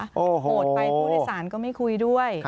โหดไปผู้โดยสารก็ไม่คุยด้วย